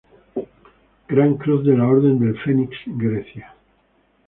Gran Cruz de la orden del Fenix Grecia.